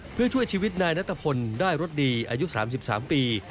เพื่อช่วยชีวิตนายนัทพลได้รสดีอายุ๓๓ปี